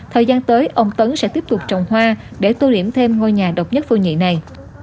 thời gian tới ông tấn sẽ tiếp tục trồng hoa để tô điểm thêm ngôi nhà độc nhất vô nhị này